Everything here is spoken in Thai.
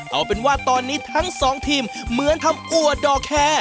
เอาเป็นว่าตอนนี้ทั้งสองทีมเหมือนทำอัวดอกแคร์